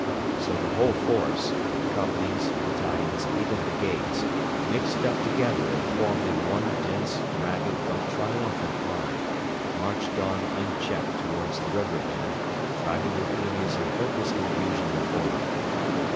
So the whole force companies, battalions, even brigades mixed up together and formed in one dense, ragged, but triumphant line, marched on unchecked towards the river bed, driving their enemies in hopeless confusion before them.